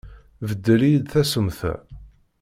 Beddel-iyi-d tasumta.